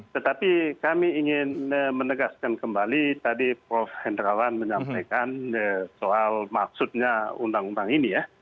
tetapi kami ingin menegaskan kembali tadi prof hendrawan menyampaikan soal maksudnya undang undang ini ya